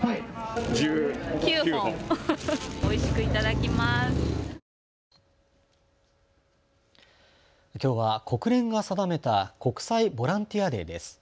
きょうは国連が定めた国際ボランティアデーです。